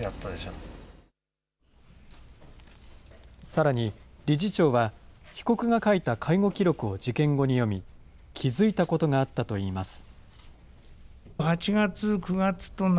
さらに、理事長は被告が書いた介護記録を事件後に読み、気付いたことがあったといいます。